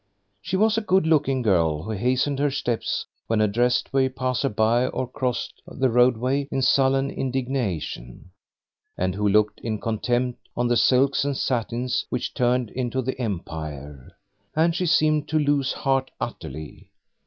She was a good looking girl, who hastened her steps when addressed by a passer by or crossed the roadway in sullen indignation, and who looked in contempt on the silks and satins which turned into the Empire, and she seemed to lose heart utterly.